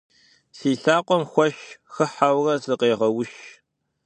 Си лъакъуэм хуэш хыхьэурэ сыкъегъэуш.